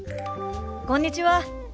こんにちは。